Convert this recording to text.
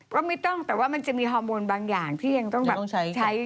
ก็ไม่ต้องแต่ว่ามันจะมีฮอร์โมนบางอย่างที่ยังต้องแบบใช้